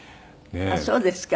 あっそうですか。